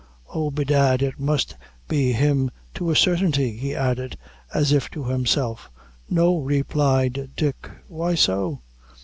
Oh, bedad, it must be him to a sartinty," he added, as if to himself. "No," replied Dick; "why so?"